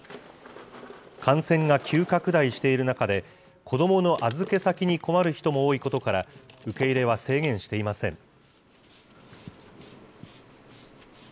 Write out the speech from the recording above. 感染が急拡大している中で、子どもの預け先に困る人も多いことから、受け入れは制限していません。